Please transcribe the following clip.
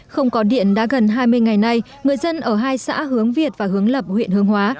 không có điện đã gần hai mươi ngày nay người dân ở hai xã hướng việt và hướng lập huyện hương hóa